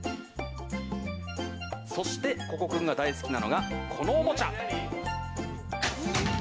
そして、ココ君が大好きなのがこのおもちゃ。